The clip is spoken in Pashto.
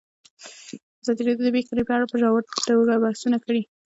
ازادي راډیو د بیکاري په اړه په ژوره توګه بحثونه کړي.